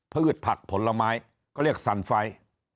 พืชผักผลไม้ก็เรียกสันไฟ